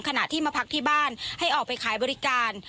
ขณะที่มาพักที่บ้านให้ออกไปขายบริการ